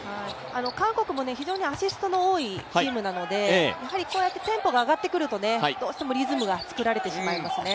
韓国も非常にアシストの多いチームなので、こうやってテンポが上がってくると、どうしてもリズムを作られてしまいますね。